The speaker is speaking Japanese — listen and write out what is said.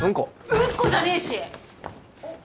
うんこじゃねえし！